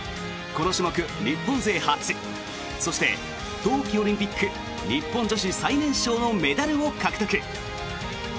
この種目、日本勢初そして、冬季オリンピック日本女子最年少のメダルを獲得。